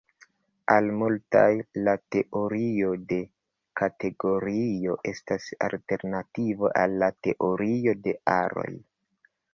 Al multaj, la teorio de kategorioj estas alternativo al la teorio de aroj.